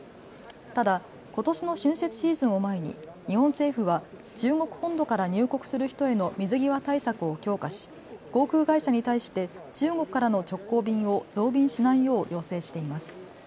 ただことしの春節シーズンを前に日本政府は中国本土から入国する人への水際対策を強化し航空会社に対して中国からの直行便を増便しないよう要請しています。